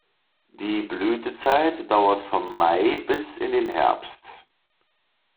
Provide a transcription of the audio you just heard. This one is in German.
Die Blütezeit dauert vom Mai bis in den Herbst.